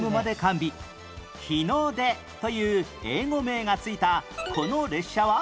「日の出」という英語名が付いたこの列車は？